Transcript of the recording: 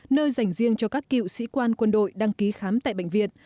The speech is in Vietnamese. nơi dành riêng cho các cựu sĩ quan quân đội đăng ký khám tại bệnh viện